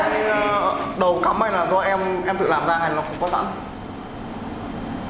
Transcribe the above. tại nên đầu cắm hay là do em tự làm ra hay là không có sẵn